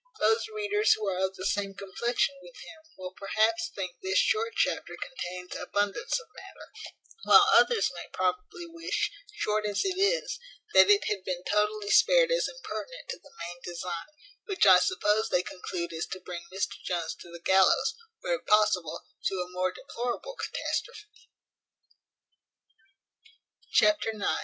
Those readers who are of the same complexion with him will perhaps think this short chapter contains abundance of matter; while others may probably wish, short as it is, that it had been totally spared as impertinent to the main design, which I suppose they conclude is to bring Mr Jones to the gallows, or, if possible, to a more deplorable catastrophe.